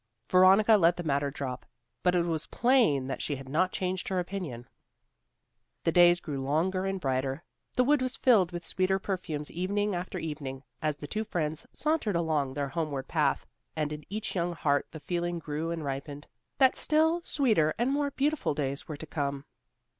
Veronica let the matter drop, but it was plain that she had not changed her opinion. The days grew longer and brighter. The wood was filled with sweeter perfumes evening after evening, as the two friends sauntered along their homeward path, and in each young heart the feeling grew and ripened, that still sweeter and more beautiful days were to come.